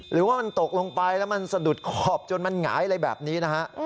หรือว่ามันตกลงไปแล้วมันสะดุดขอบจนมันหงายอะไรแบบนี้นะฮะ